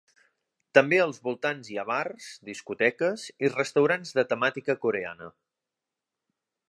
També als voltants hi ha bars, discoteques i restaurants de temàtica coreana.